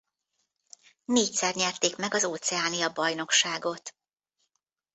Négyszer nyerték meg az Óceánia-bajnokságot.